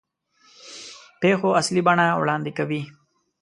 پېښو اصلي بڼه وړاندې کوي.